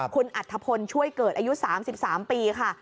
คุณอัธพลช่วยเกิดอายุ๓๓ปีค่ะ